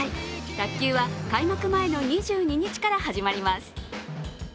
卓球は、開幕前の２２日から始まります。